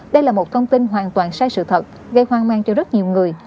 đây là một thông tin hoàn toàn sai sự thật gây hoang mang cho rất nhiều người